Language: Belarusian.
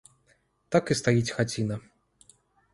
Так і стаіць хаціна.